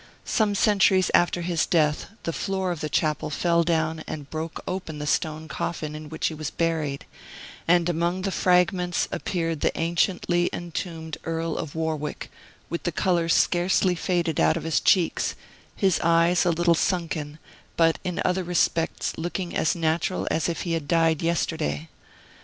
Some centuries after his death, the floor of the chapel fell down and broke open the stone coffin in which he was buried; and among the fragments appeared the anciently entombed Earl of Warwick, with the color scarcely faded out of his cheeks, his eyes a little sunken, but in other respects looking as natural as if he had died yesterday.